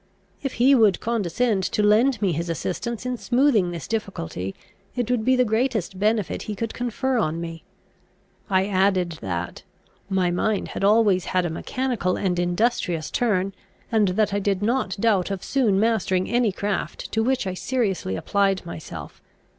If he would condescend to lend me his assistance in smoothing this difficulty, it would be the greatest benefit he could confer on me." I added, that "my mind had always had a mechanical and industrious turn, and that I did not doubt of soon mastering any craft to which I seriously applied myself.